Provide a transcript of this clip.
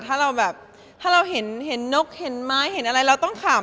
ถ้าเราเห็นนกเห็นไม้เห็นอะไรเราต้องขำ